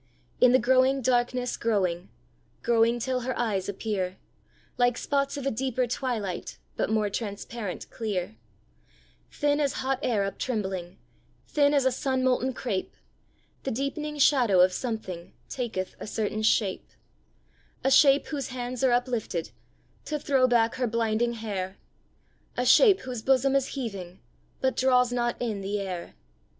In the growing darkness growing Growing till her eyes appear, Like spots of a deeper twilight, But more transparent clear Thin as hot air up trembling, Thin as a sun molten crape, The deepening shadow of something Taketh a certain shape; A shape whose hands are uplifted To throw back her blinding hair; A shape whose bosom is heaving, But draws not in the air.